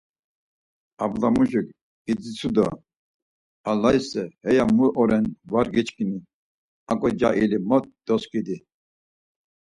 Abulamuşik idzitsu do; Allaise heya mun’oren var giçkin-i, aǩo caili mot doskidi.